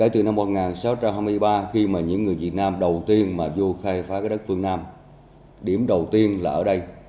từ năm một nghìn sáu trăm hai mươi ba khi mà những người việt nam đầu tiên mà vô khai phá đất phương nam điểm đầu tiên là ở đây